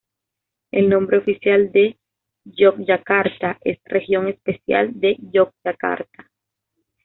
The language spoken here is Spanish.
El nombre oficial de Yogyakarta es "Región Especial de Yogyakarta".